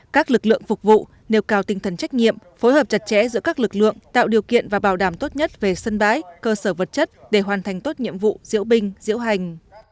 các lực lượng phục vụ nêu cao tinh thần trách nhiệm phối hợp chặt chẽ giữa các lực lượng tạo điều kiện và bảo đảm tốt nhất về sân bãi cơ sở vật chất để hoàn thành tốt nhiệm vụ diễu binh diễu hành